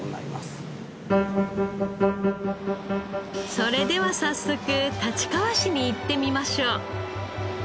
それでは早速立川市に行ってみましょう。